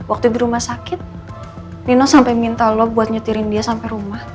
waktu di rumah sakit nino sampai minta lo buat nyetirin dia sampai rumah